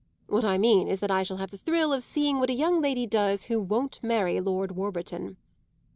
What I mean is that I shall have the thrill of seeing what a young lady does who won't marry Lord Warburton."